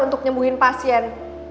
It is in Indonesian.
untuk nyembuhin pasien